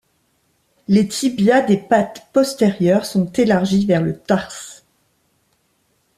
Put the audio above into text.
Les tibias des pattes postérieures sont élargis vers le tarse.